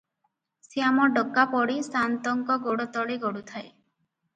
ଶ୍ୟାମ ଡକାପଡ଼ି ସାଆନ୍ତଙ୍କ ଗୋଡ଼ତଳେ ଗଡୁଥାଏ ।